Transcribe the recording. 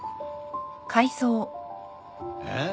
えっ？